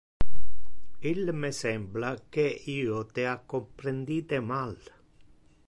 Il me sembla que io te ha comprendite mal.